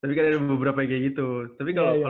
tapi kan ada beberapa yang kayak gitu tapi kalo lu dari siapa